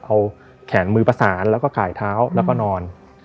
เอาแขนมือประสานแล้วก็ข่ายเท้าแล้วก็นอน